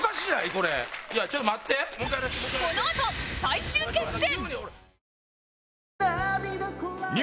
このあと最終決戦